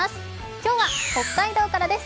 今日は北海道からです。